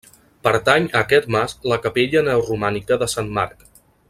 Pertany a aquest mas la capella neoromànica de Sant Marc.